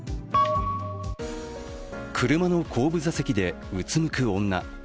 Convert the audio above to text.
車の後部座席でうつむく女。